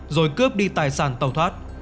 rồi cướp đi tài sản tàu thoát